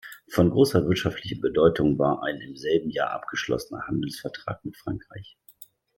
Von grosser wirtschaftlicher Bedeutung war ein im selben Jahr abgeschlossener Handelsvertrag mit Frankreich.